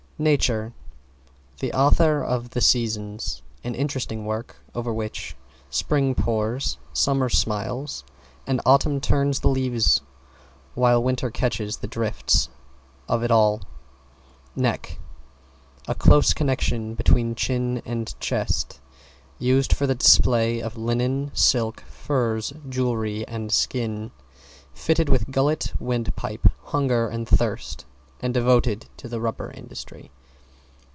=NATURE= The author of "The Seasons," an interesting work over which Spring pours, Summer smiles, and Autumn turns the leaves while Winter catches the drift of it all. =NECK= A close connection between chin and chest, used for the display of linen, silk, furs, jewelry and skin, fitted with gullet, windpipe, hunger and thirst, and devoted to the rubber industry.